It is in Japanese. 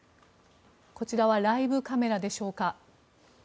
こちらはライブカメラでしょうか。